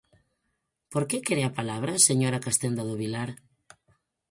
¿Por que quere a palabra, señora Castenda do Vilar?